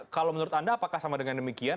kalau menurut anda apakah sama dengan demikian